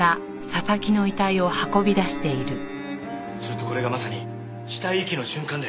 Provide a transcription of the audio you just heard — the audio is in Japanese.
するとこれがまさに死体遺棄の瞬間で。